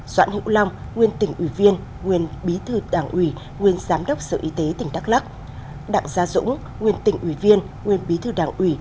doãn hữu long nguyên tỉnh ủy viên nguyên bí thư đảng ủy nguyên giám đốc sở y tế tỉnh đắk lắc đặng gia dũng nguyên tỉnh ủy viên nguyên bí thư đảng ủy